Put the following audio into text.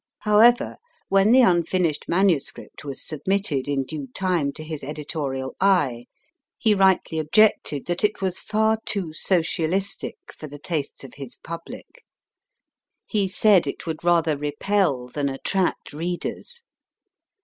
However, when GRANT ALLEN the unfinished manuscript was submitted in due time to his editorial eye, he rightly objected that it was far too socialistic for the tastes of his public. He said it would rather repel than attract readers.